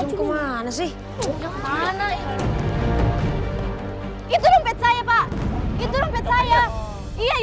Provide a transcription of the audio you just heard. itu rumpet saya pak